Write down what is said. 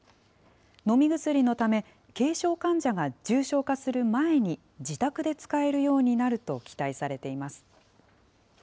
飲み薬のため、軽症患者が重症化する前に、自宅で使えるようになると期待されています。